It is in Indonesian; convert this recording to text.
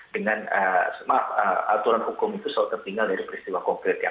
dengan aturan hukum itu selalu tertinggal dari peristiwa konkret